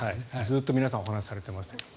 ずっと皆さんお話をされてましたけど。